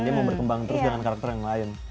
dia mau berkembang terus dengan karakter yang lain